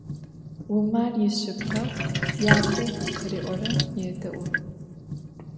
Vumar yişsıpkheu yate khıri'orem yêde'u.